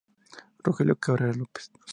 Rogelio Cabrera López.